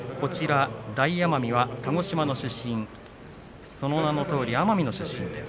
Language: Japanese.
大奄美は鹿児島の出身その名のとおり奄美の出身です。